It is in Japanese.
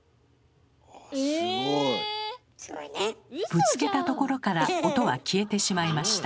ぶつけたところから音は消えてしまいました。